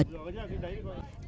tâm hồn tĩnh lặng